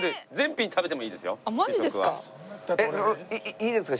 いいですか？